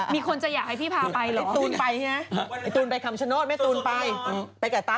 มีคนจะอยากให้พี่พาไปเหรอคำชะโนธไม่ทุนมากฮะฮ่า